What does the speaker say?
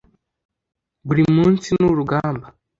buri munsi ni urugamba